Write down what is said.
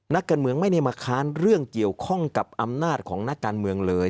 นักการเมืองไม่ได้มาค้านเรื่องเกี่ยวข้องกับอำนาจของนักการเมืองเลย